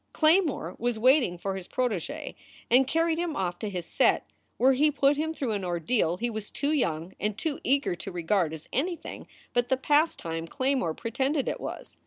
Claymore was waiting for his protege and carried him off to his set, where he put him through an ordeal he was too young and too eager to regard as anything but the pastime Claymore pretended it was.